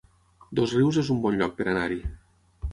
Dosrius es un bon lloc per anar-hi